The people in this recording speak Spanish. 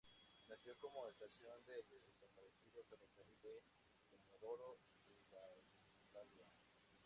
Nació como estación del desaparecido Ferrocarril de Comodoro Rivadavia.